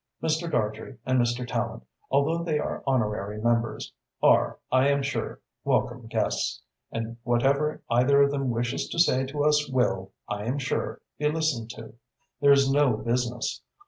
Mr. Dartrey and Mr. Tallente, although they are honorary members, are, I am sure, welcome guests, and whatever either of them wishes to say to us will, I am sure, be listened to. There is no business.